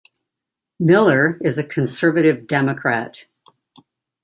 Miller is a conservative Democrat.